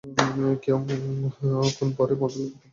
Kyung ক্ষণ পরেই মধুমালতীর প্রাণত্যাগ হইল।